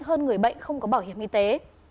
hơn người bệnh không có bảo hiểm y tế